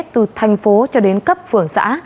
từ thành phố cho đến cấp phường xã